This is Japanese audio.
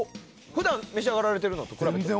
普段お召し上がられているのと比べて？